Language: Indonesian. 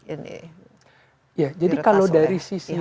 iya jadi kalau dari sisi dari sisi ini kita melihat dari dua aspek nih mbak desi